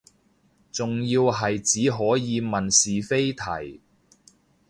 仲要係只可以問是非題